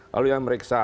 lalu yang mereksa